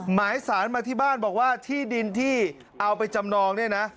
หมายสารมาที่บ้านบอกว่าที่ดินที่เอาไปจำนองเนี่ยนะ